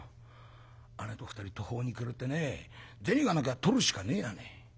姉と２人途方に暮れてね銭がなきゃとるしかねえやね。